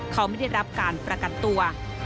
เขาไม่ได้รับการประกันตัว